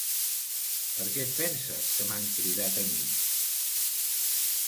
Per què et penses que m'han cridat a mi?